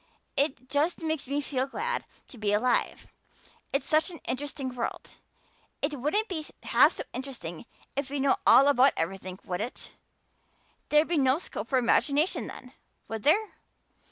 It just makes me feel glad to be alive it's such an interesting world. It wouldn't be half so interesting if we know all about everything, would it? There'd be no scope for imagination then, would there?